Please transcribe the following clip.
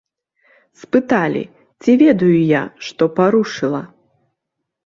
Спыталі, ці ведаю я, што парушыла.